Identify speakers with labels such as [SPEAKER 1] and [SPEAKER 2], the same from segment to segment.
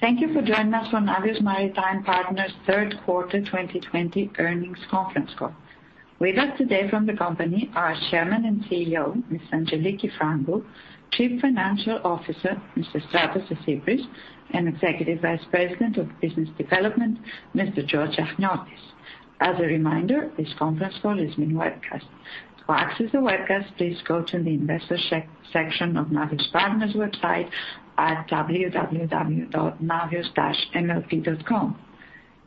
[SPEAKER 1] Thank you for joining us on Navios Maritime Partners' Third Quarter 2020 earnings conference call. With us today from the company are Chairman and CEO, Ms. Angeliki Frangou, Chief Financial Officer, Mr. Stratos Desypris, and Executive Vice President of Business Development, Mr. George Achniotis. As a reminder, this conference call is being webcast. To access the webcast, please go to the investor section of Navios Partners website at www.navios-np.com.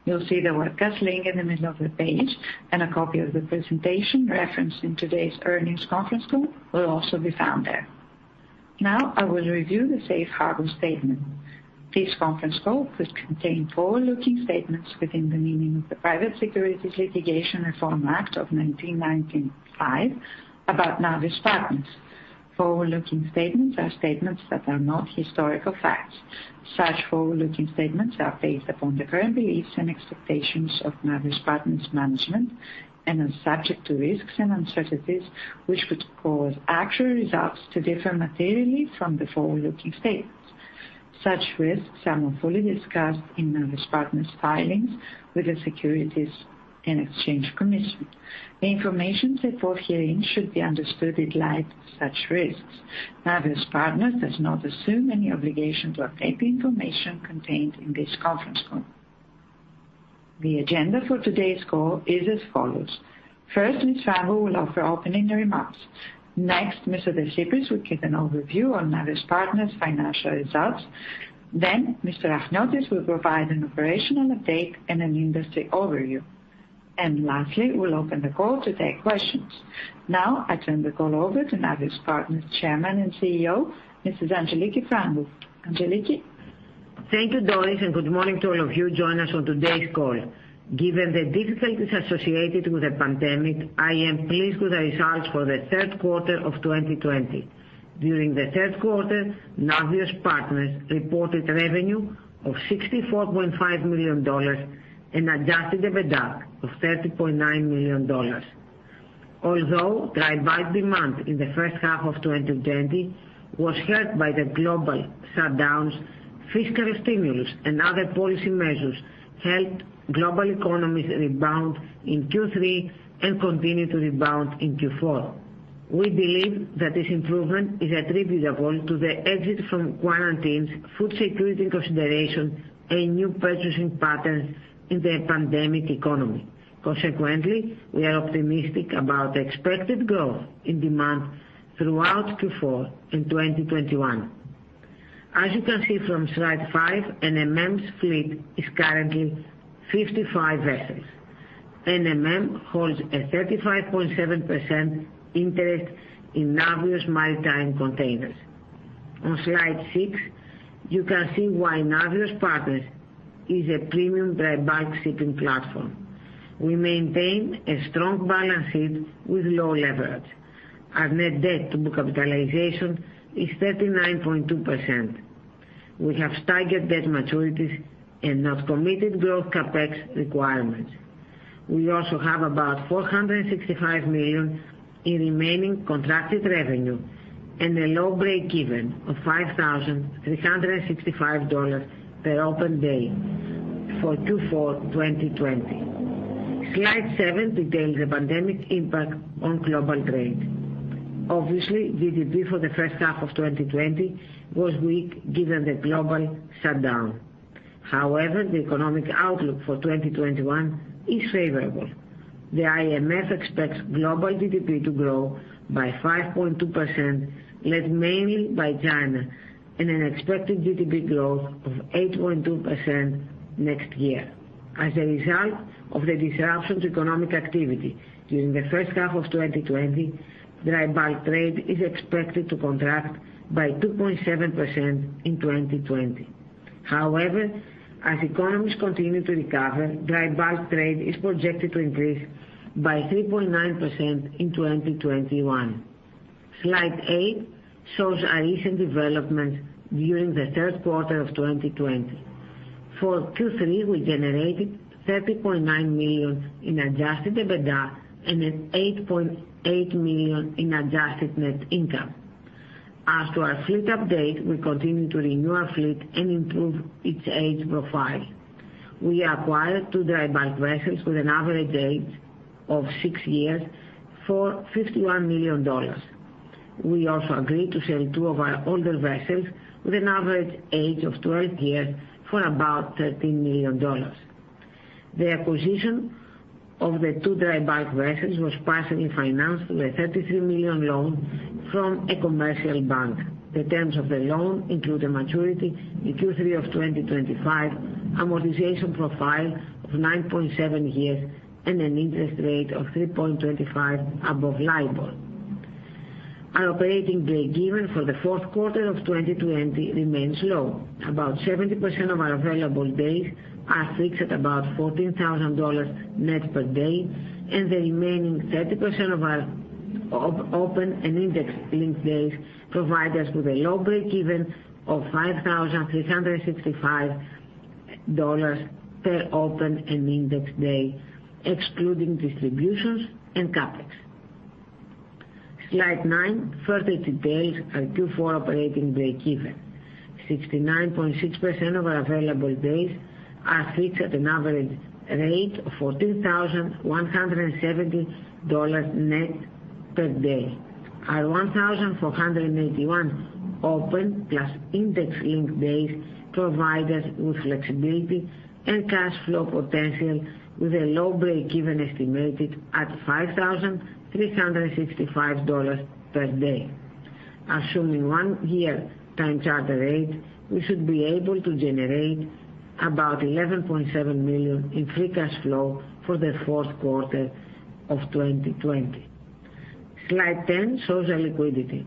[SPEAKER 1] You'll see the webcast link in the middle of the page, and a copy of the presentation referenced in today's earnings conference call will also be found there. Now, I will review the safe harbor statement. This conference call could contain forward-looking statements within the meaning of the Private Securities Litigation Reform Act of 1995 about Navios Partners. Forward-looking statements are statements that are not historical facts. Such forward-looking statements are based upon the current beliefs and expectations of Navios Partners' management and are subject to risks and uncertainties which could cause actual results to differ materially from the forward-looking statements. Such risks are fully discussed in Navios Partners' filings with the Securities and Exchange Commission. The information set forth herein should be understood in light of such risks. Navios Partners does not assume any obligation to update the information contained in this conference call. The agenda for today's call is as follows. First, Ms. Frangou will offer opening remarks. Mr. Desypris will give an overview on Navios Partners' financial results. Mr. Achniotis will provide an operational update and an industry overview. Lastly, we'll open the call to take questions. Now, I turn the call over to Navios Partners Chairman and CEO, Mrs. Angeliki Frangou. Angeliki?
[SPEAKER 2] Thank you, Doris. Good morning to all of you joining us on today's call. Given the difficulties associated with the pandemic, I am pleased with the results for the third quarter of 2020. During the third quarter, Navios Partners reported revenue of $64.5 million and adjusted EBITDA of $30.9 million. Although dry bulk demand in the first half of 2020 was hurt by the global shutdowns, fiscal stimulus and other policy measures helped global economies rebound in Q3 and continue to rebound in Q4. We believe that this improvement is attributable to the exit from quarantines, food security consideration, and new purchasing patterns in the pandemic economy. Consequently, we are optimistic about the expected growth in demand throughout Q4 in 2021. As you can see from slide five, NMM's fleet is currently 55 vessels. NMM holds a 35.7% interest in Navios Maritime Containers. On slide six, you can see why Navios Partners is a premium dry bulk shipping platform. We maintain a strong balance sheet with low leverage. Our net debt to capitalization is 39.2%. We have staggered debt maturities and not committed growth CapEx requirements. We also have about $465 million in remaining contracted revenue and a low break-even of $5,365 per open day for Q4 2020. Slide seven details the pandemic impact on global trade. Obviously, GDP for the first half of 2020 was weak given the global shutdown. However, the economic outlook for 2021 is favorable. The IMF expects global GDP to grow by 5.2%, led mainly by China and an expected GDP growth of 8.2% next year. As a result of the disruption to economic activity during the first half of 2020, dry bulk trade is expected to contract by 2.7% in 2020. However, as economies continue to recover, dry bulk trade is projected to increase by 3.9% in 2021. Slide eight shows our recent developments during the third quarter of 2020. For Q3, we generated $30.9 million in adjusted EBITDA and then $8.8 million in adjusted net income. As to our fleet update, we continue to renew our fleet and improve its age profile. We acquired two dry bulk vessels with an average age of six years for $51 million. We also agreed to sell two of our older vessels with an average age of 12 years for about $13 million. The acquisition of the two dry bulk vessels was partially financed with a $33 million loan from a commercial bank. The terms of the loan include a maturity in Q3 of 2025, amortization profile of 9.7 years, and an interest rate of 3.25 above LIBOR. Our operating break-even for the fourth quarter of 2020 remains low. About 70% of our available days are fixed at about $14,000 net/day, and the remaining 30% of our open and index-linked days provide us with a low break-even of $5,365 per open and index day, excluding distributions and CapEx. Slide nine further details our Q4 operating breakeven. 69.6% of our available days are fixed at an average rate of $14,170 net/day. Our 1,481 open plus index-linked days provide us with flexibility and cash flow potential with a low breakeven estimated at $5,365/day. Assuming one year time charter rate, we should be able to generate about $11.7 million in free cash flow for the fourth quarter of 2020. Slide 10 shows our liquidity.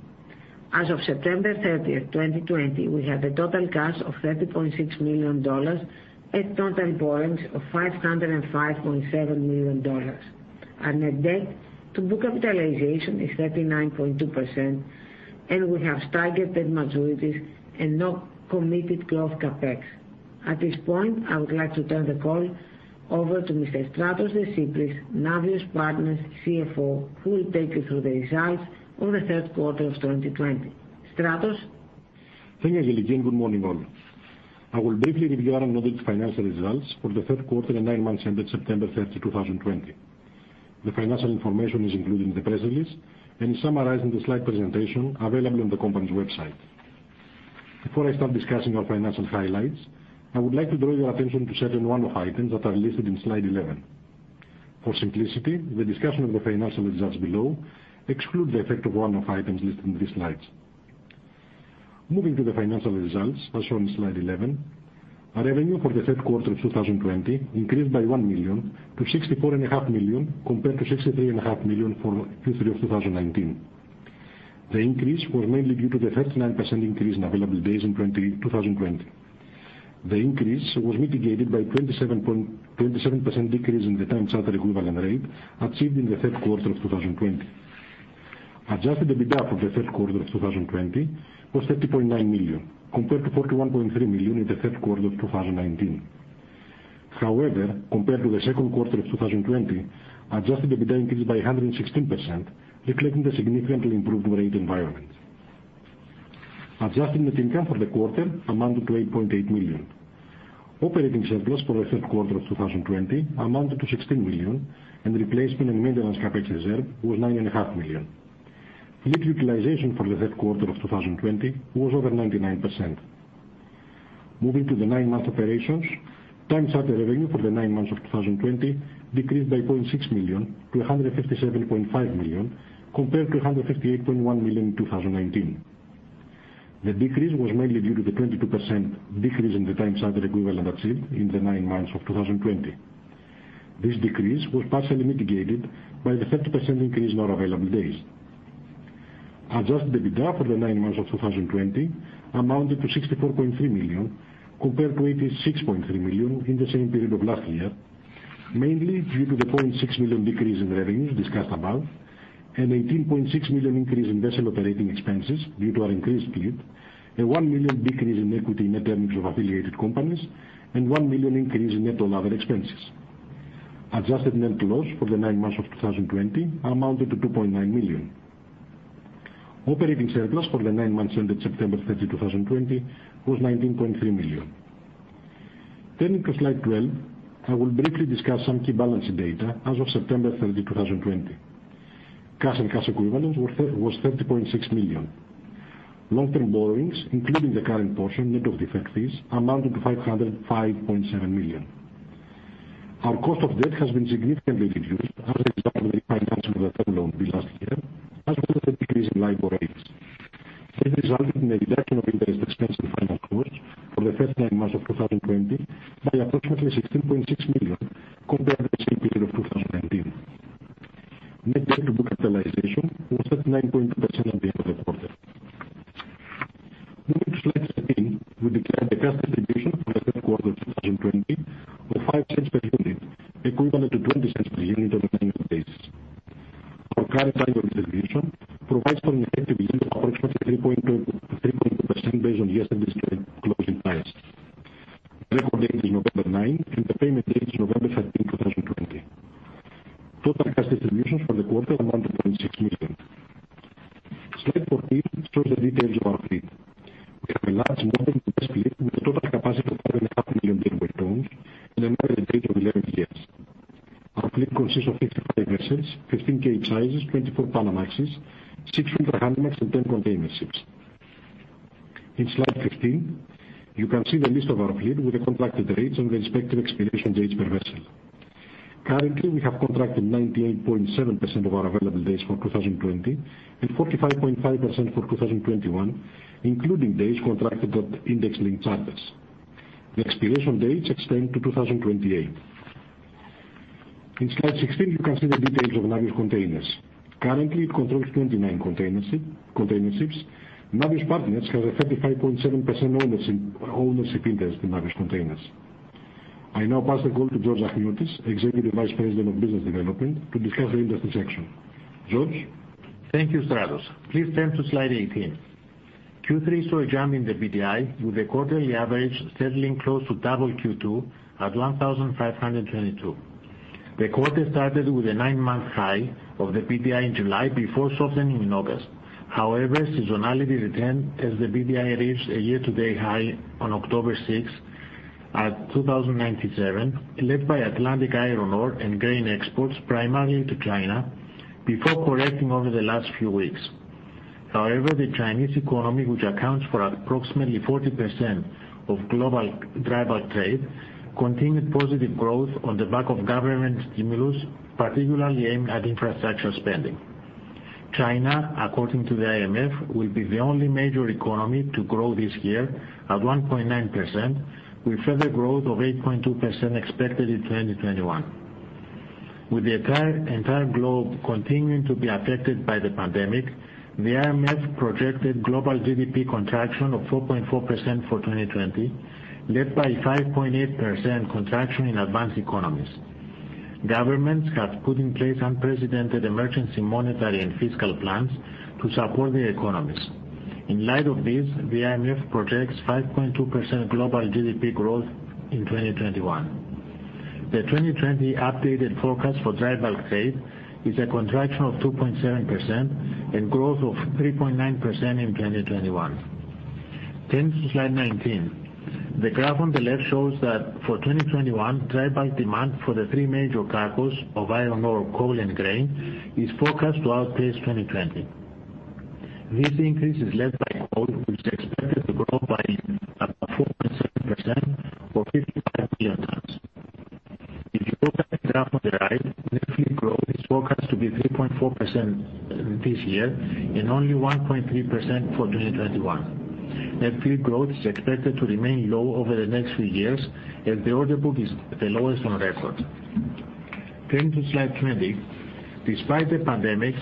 [SPEAKER 2] As of September 30th, 2020, we have a total cash of $30.6 million and total borrowings of $505.7 million. Our net debt to book capitalization is 39.2%, and we have staggered majorities and no committed growth CapEx. At this point, I would like to turn the call over to Mr. Stratos Desypris, Navios Partners CFO, who will take you through the results for the third quarter of 2020. Stratos?
[SPEAKER 3] Thank you, Angeliki, and good morning, all. I will briefly review our unaudited financial results for the third quarter and nine months ended September 30, 2020. The financial information is included in the press release and is summarized in the slide presentation available on the company's website. Before I start discussing our financial highlights, I would like to draw your attention to certain one-off items that are listed in slide 11. For simplicity, the discussion of the financial results below exclude the effect of one-off items listed in these slides. Moving to the financial results as shown in slide 11, our revenue for the third quarter of 2020 increased by $1 million to $64.5 million compared to $63.5 million for Q3 of 2019. The increase was mainly due to the 39% increase in available days in 2020. The increase was mitigated by 27% decrease in the time charter equivalent rate achieved in the third quarter of 2020. Adjusted EBITDA for the third quarter of 2020 was $30.9 million compared to $41.3 million in the third quarter of 2019. Compared to the second quarter of 2020, adjusted EBITDA increased by 116%, reflecting the significantly improved rate environment. Adjusted net income for the quarter amounted to $8.8 million. Operating surplus for the third quarter of 2020 amounted to $16 million, and replacement and maintenance CapEx reserve was $9.5 million. Fleet utilization for the third quarter of 2020 was over 99%. Moving to the nine-month operations, time charter revenue for the nine months of 2020 decreased by $0.6 million to $157.5 million compared to $158.1 million in 2019. The decrease was mainly due to the 22% decrease in the time charter equivalent achieved in the nine months of 2020. This decrease was partially mitigated by the 30% increase in our available days. Adjusted EBITDA for the nine months of 2020 amounted to $64.3 million compared to $86.3 million in the same period of last year, mainly due to the $0.6 million decrease in revenues discussed above, an $18.6 million increase in vessel operating expenses due to our increased fleet, a $1 million decrease in equity in net earnings of affiliated companies, and a $1 million increase in net on other expenses. Adjusted net loss for the nine months of 2020 amounted to $2.9 million. Operating surplus for the nine months ended September 30, 2020, was $19.3 million. Turning to slide 12, I will briefly discuss some key balance data as of September 30, 2020. Cash and cash equivalents was $30.6 million. Long-term borrowings, including the current portion net of deferred fees, amounted to $505.7 million. Our cost of debt has been significantly reduced as a result of the refinancing of the term loan due last year, as well as the decrease in LIBOR rates. This resulted in a reduction of interest expense and finance costs for the first nine months of 2020 by approximately $16.6 million compared to the same period of 2019. Net debt to book capitalization was 39.2% at the end of the quarter. Navios Partners has a 35.7% ownership interest in Navios Containers. I now pass the call to George Achniotis, Executive Vice President of Business Development, to discuss the industry section. George?
[SPEAKER 4] Thank you, Stratos. Please turn to slide 18. Q3 saw a jump in the BDI with the quarterly average settling close to double Q2 at 1,522. The quarter started with a nine-month high of the BDI in July before softening in August. However, seasonality returned as the BDI reached a year-to-date high on October 6th at 2,097, led by Atlantic iron ore and grain exports primarily to China, before correcting over the last few weeks. However, the Chinese economy, which accounts for approximately 40% of global dry bulk trade, continued positive growth on the back of government stimulus, particularly aimed at infrastructure spending. China, according to the IMF, will be the only major economy to grow this year at 1.9%, with further growth of 8.2% expected in 2021. With the entire globe continuing to be affected by the pandemic, the IMF projected global GDP contraction of 4.4% for 2020, led by 5.8% contraction in advanced economies. Governments have put in place unprecedented emergency monetary and fiscal plans to support the economies. In light of this, the IMF projects 5.2% global GDP growth in 2021. The 2020 updated forecast for dry bulk trade is a contraction of 2.7% and growth of 3.9% in 2021. Turning to slide 19. The graph on the left shows that for 2021, dry bulk demand for the three major cargoes of iron ore, coal, and grain is forecast to outpace 2020. This increase is led by coal, which is expected to grow by about 4.7% or 55 million tons. If you look at the graph on the right, net fleet growth is forecast to be 3.4% this year and only 1.3% for 2021. Net fleet growth is expected to remain low over the next few years, as the order book is the lowest on record. Turning to slide 20. Despite the pandemic,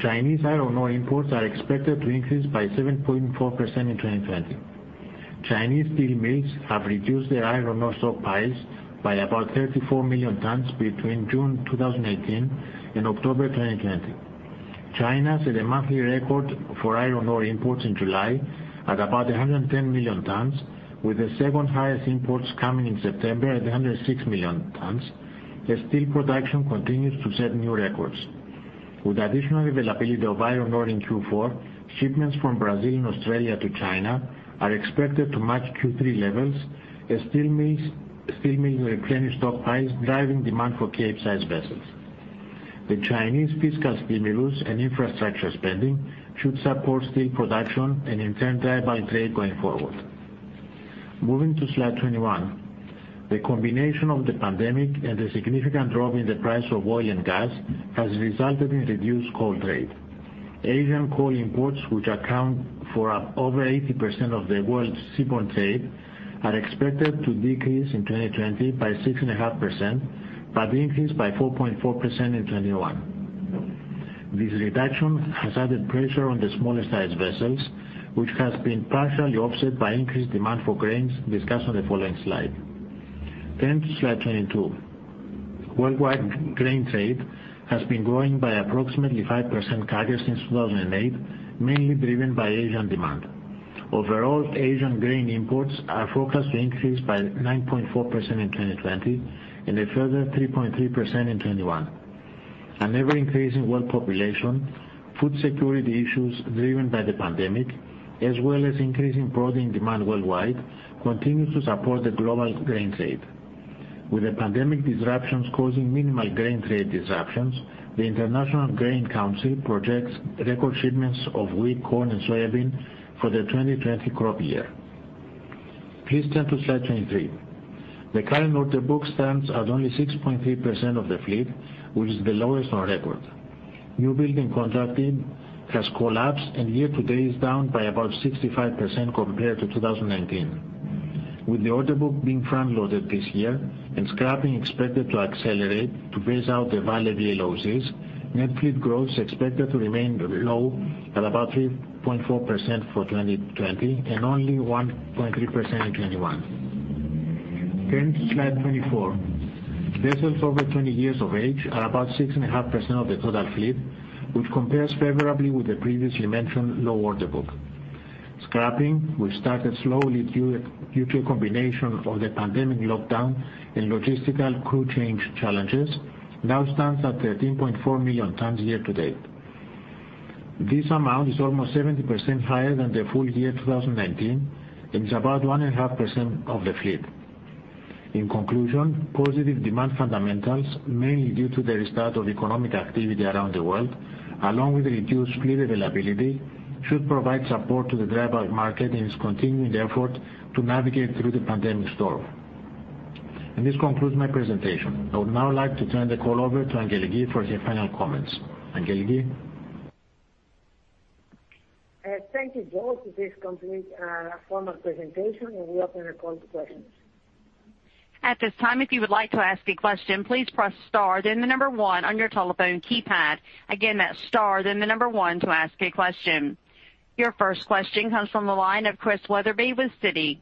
[SPEAKER 4] Chinese iron ore imports are expected to increase by 7.4% in 2020. Chinese steel mills have reduced their iron ore stockpiles by about 34 million tons between June 2018 and October 2020. China set a monthly record for iron ore imports in July at about 110 million tons, with the second highest imports coming in September at 106 million tons, as steel production continues to set new records. With additional availability of iron ore in Q4, shipments from Brazil and Australia to China are expected to match Q3 levels as steel mills replenish stockpiles, driving demand for Capesize vessels. The Chinese fiscal stimulus and infrastructure spending should support steel production and in turn, dry bulk trade going forward. Moving to slide 21. The combination of the pandemic and the significant drop in the price of oil and gas has resulted in reduced coal trade. Asian coal imports, which account for over 80% of the world's seaborne trade, are expected to decrease in 2020 by 6.5% but increase by 4.4% in 2021. This reduction has added pressure on the smaller size vessels, which has been partially offset by increased demand for grains discussed on the following slide. Turning to slide 22. Worldwide grain trade has been growing by approximately 5% CAGR since 2008, mainly driven by Asian demand. Overall, Asian grain imports are forecast to increase by 9.4% in 2020 and a further 3.3% in 2021. An ever-increasing world population, food security issues driven by the pandemic, as well as increasing protein demand worldwide, continues to support the global grain trade. With the pandemic disruptions causing minimal grain trade disruptions, the International Grains Council projects record shipments of wheat, corn, and soybean for the 2020 crop year. Please turn to slide 23. The current order book stands at only 6.3% of the fleet, which is the lowest on record. New building contracting has collapsed and year-to-date is down by about 65% compared to 2019. With the order book being front-loaded this year and scrapping expected to accelerate to phase out the value losses, net fleet growth is expected to remain low at about 3.4% for 2020 and only 1.3% in 2021. Turning to slide 24. Vessels over 20 years of age are about 6.5% of the total fleet, which compares favorably with the previously mentioned low order book. Scrapping, which started slowly due to a combination of the pandemic lockdown and logistical crew change challenges, now stands at 13.4 million tons year-to-date. This amount is almost 70% higher than the full year 2019 and is about 1.5% of the fleet. In conclusion, positive demand fundamentals, mainly due to the restart of economic activity around the world, along with reduced fleet availability, should provide support to the dry bulk market in its continuing effort to navigate through the pandemic storm. This concludes my presentation. I would now like to turn the call over to Angeliki for her final comments. Angeliki?
[SPEAKER 2] Thank you, George. This completes our formal presentation, and we open the call to questions.
[SPEAKER 5] At this time if you would like to ask a question. Please press star then the number one on your telephone keypad. Again, its star then the number one to ask a question. Your first question comes from the line of Chris Wetherbee with Citi.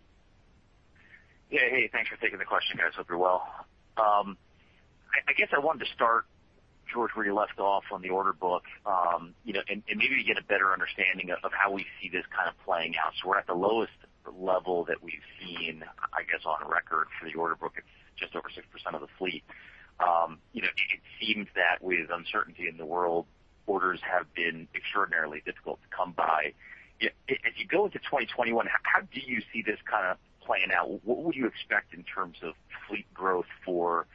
[SPEAKER 6] Yeah. Hey, thanks for taking the question, guys. Hope you're well. I guess I wanted to start, George, where you left off on the order book, and maybe to get a better understanding of how we see this playing out. We're at the lowest level that we've seen, I guess, on record for the order book. It's just over 6% of the fleet. It seems that with uncertainty in the world, orders have been extraordinarily difficult to come by. As you go into 2021, how do you see this playing out? What would you expect in terms of fleet growth for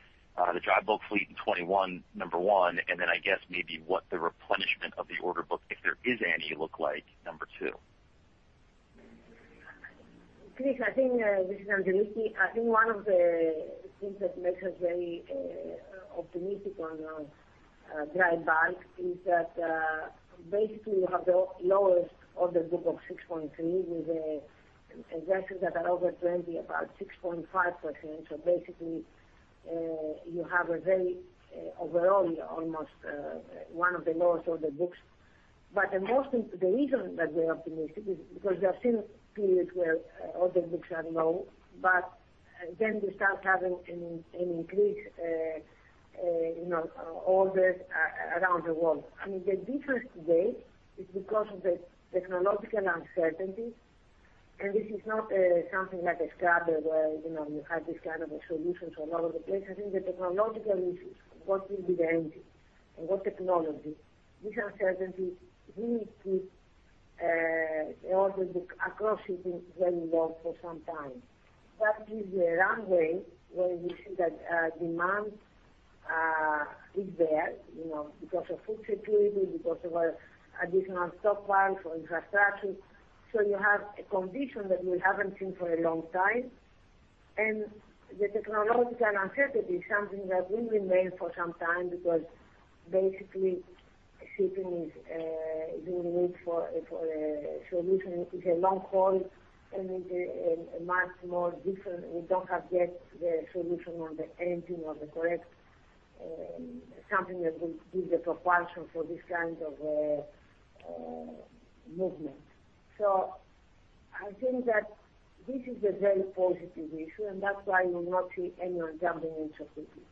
[SPEAKER 6] the dry bulk fleet in 2021, number one? And then I guess maybe what the replenishment of the order book, if there is any, look like, number two?
[SPEAKER 2] Chris, this is Angeliki. I think one of the things that makes us very optimistic on dry bulk is that basically you have the lowest order book of 6.3% with vessels that are over 20, about 6.5%. Basically, you have overall almost one of the lowest order books. The reason that we are optimistic is because we have seen periods where order books are low, but then we start having an increase in orders around the world. The difference today is because of the technological uncertainty, and this is not something like a scrubber where you have this kind of a solution for a lot of the places. I think the technological issues, what will be the engine and what technology, this uncertainty really keeps the order book across shipping very low for some time. That gives a runway where we see that demand is there because of food security, because of additional stockpiles for infrastructure. You have a condition that we haven't seen for a long time, and the technological uncertainty is something that will remain for some time because basically, shipping is doing it for a solution. It's a long haul and much more different. We don't have yet the solution on the engine or the correct something that will give the propulsion for this kind of movement. I think that this is a very positive issue, and that's why you will not see anyone jumping into shipping.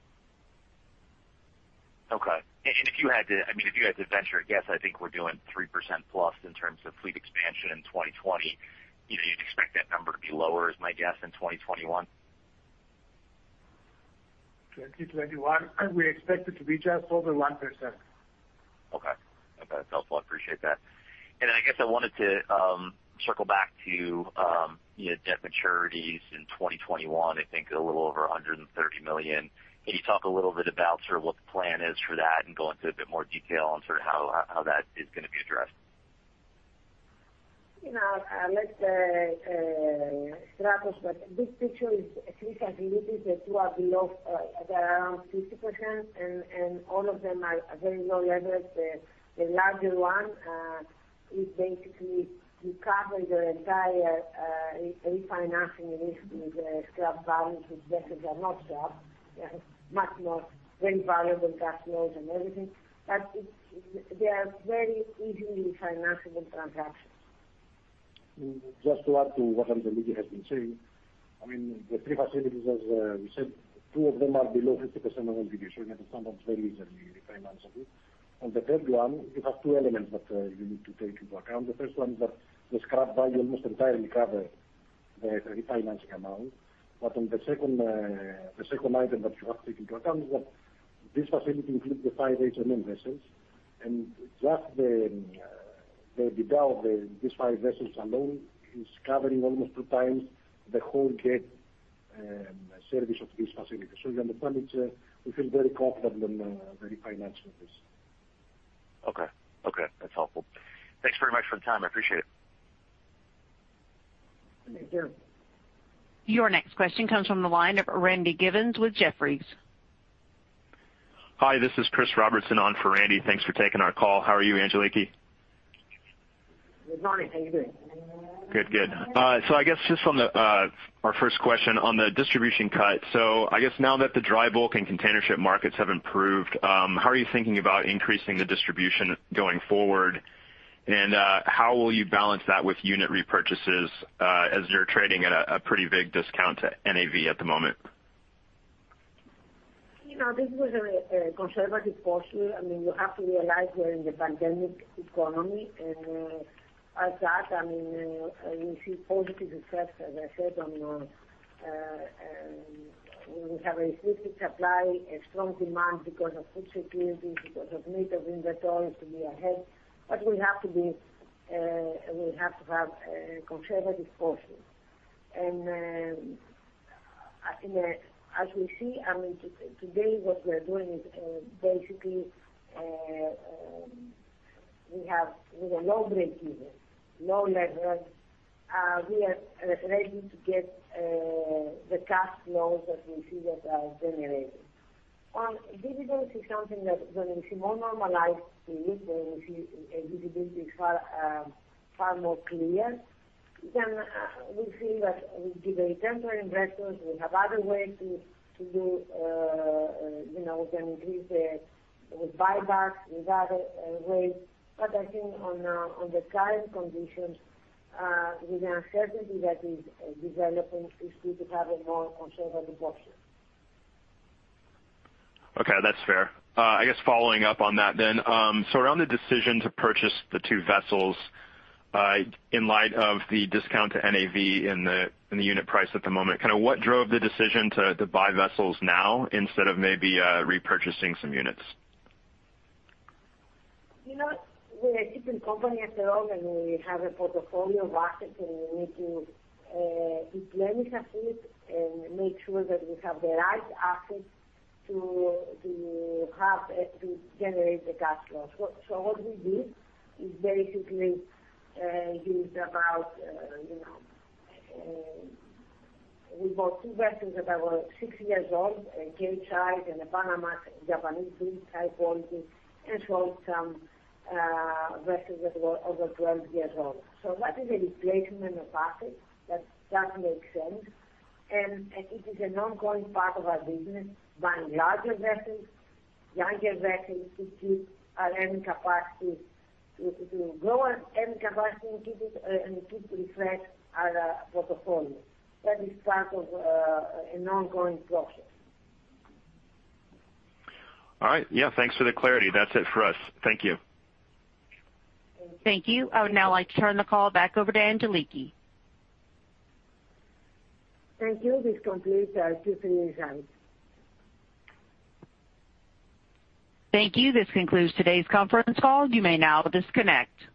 [SPEAKER 6] Okay. If you had to venture a guess, I think we're doing 3%+ in terms of fleet expansion in 2020. You'd expect that number to be lower, is my guess, in 2021?
[SPEAKER 4] 2021, we expect it to be just over 1%.
[SPEAKER 6] Okay. That's helpful. I appreciate that. I guess I wanted to circle back to debt maturities in 2021, I think a little over $130 million. Can you talk a little bit about what the plan is for that and go into a bit more detail on how that is going to be addressed?
[SPEAKER 2] Let Stratos but these pictures, three facilities that were below around 50%, and all of them are very low leverage. The larger one is basically to cover the entire refinancing risk with scrap value, which vessels are not scrap, much more very valuable cash flows and everything, but they are very easily financeable contracts.
[SPEAKER 3] Just to add to what Angeliki has been saying, the three facilities, as we said, two of them are below 50%, you understand that it's very easily refinanceable. On the third one, you have two elements that you need to take into account. The first one is that the scrap value almost entirely covers the refinancing amount. On the second item that you have to take into account is that this facility includes the five HMM vessels, just the value of these five vessels alone is covering almost 2x the whole debt service of this facility. You understand, we feel very comfortable in refinancing this.
[SPEAKER 6] Okay. That's helpful. Thanks very much for the time. I appreciate it.
[SPEAKER 2] Thank you.
[SPEAKER 5] Your next question comes from the line of Randy Giveans with Jefferies.
[SPEAKER 7] Hi, this is Chris Robertson on for Randy. Thanks for taking our call. How are you, Angeliki?
[SPEAKER 2] Good morning. How are you doing?
[SPEAKER 7] Good. I guess just on our first question on the distribution cut. I guess now that the dry bulk and containership markets have improved, how are you thinking about increasing the distribution going forward? How will you balance that with unit repurchases, as you're trading at a pretty big discount to NAV at the moment?
[SPEAKER 2] This was a conservative posture. You have to realize we're in the pandemic economy. As such, we see positive effects, as I said. We have a restricted supply, a strong demand because of food security, because of need of inventory to be ahead. We have to have a conservative posture. As we see, today what we are doing is basically, we have a low breakeven, low leverage. We are ready to get the cash flows that we see that are generated. On dividends is something that when we see more normalized period, when we see visibility is far more clear, then we feel that we give a temporary rest. We have other ways to do. We can increase with buybacks, with other ways. I think on the current conditions, with the uncertainty that is developing, it's good to have a more conservative posture.
[SPEAKER 7] Okay. That's fair. I guess following up on that then, so around the decision to purchase the two vessels, in light of the discount to NAV in the unit price at the moment, what drove the decision to buy vessels now instead of maybe repurchasing some units?
[SPEAKER 2] We are a shipping company after all, and we have a portfolio of assets, and we need to replenish our fleet and make sure that we have the right assets to generate the cash flows. What we did is basically We bought two vessels that were six years old, a Kamsarmax and a Panamax, Japanese build, high quality, and sold some vessels that were over 12 years old. That is a replacement of assets that does make sense, and it is an ongoing part of our business, buying larger vessels, younger vessels to keep our earning capacity, to grow our earning capacity and keep refresh our portfolio. That is part of an ongoing process.
[SPEAKER 7] All right. Yeah, thanks for the clarity. That's it for us. Thank you.
[SPEAKER 5] Thank you. I would now like to turn the call back over to Angeliki.
[SPEAKER 2] Thank you. This completes our Q3 results.
[SPEAKER 5] Thank you. This concludes today's conference call. You may now disconnect.